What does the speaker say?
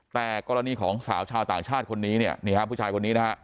แต่กรณีของสาวชาวต่างชาติคนนี้เนี่ยนี่ฮะผู้ชายคนนี้นะฮะ